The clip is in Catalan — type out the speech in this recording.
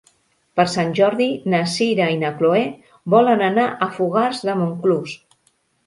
Per Sant Jordi na Sira i na Chloé volen anar a Fogars de Montclús.